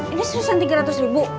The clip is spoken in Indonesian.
ini susah tiga ratus ribu